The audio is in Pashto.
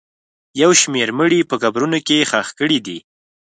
یو شمېر مړي په قبرونو کې ښخ کړي دي